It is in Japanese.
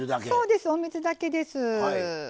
そうですお水だけです。